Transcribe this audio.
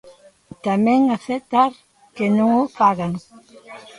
Tamén aceptar que non o fagan.